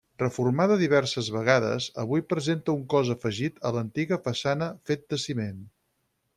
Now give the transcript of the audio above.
Reformada diverses vegades, avui presenta un cos afegit a l'antiga façana fet de ciment.